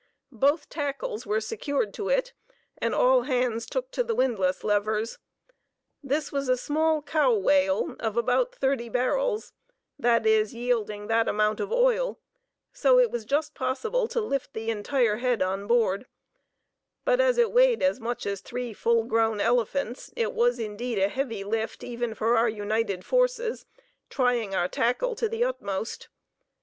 Both tackles were secured to it and all hands took to the windlass levers. This was a small cow whale of about thirty barrels, that is, yielding that amount of oil, so it was just possible to lift the entire head on board; but as it weighed as much as three full grown elephants, it was indeed a heavy lift for even our united forces, trying our tackle to the utmost.